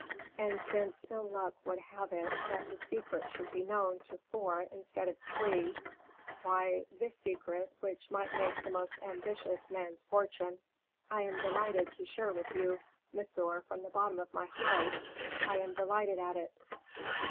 And since ill luck would have it that the secret should be known to four instead of three, why, this secret, which might make the most ambitious man's fortune, I am delighted to share with you, monsieur, from the bottom of my heart I am delighted at it.